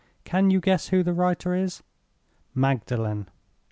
Can you guess who the writer is?—Magdalen!